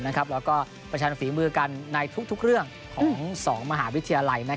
แล้วก็ประชันฝีมือกันในทุกเรื่องของ๒มหาวิทยาลัย